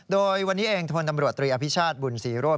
โดยวันนี้เองพลตำรวจตรีอภิชาติบุญศรีโรธ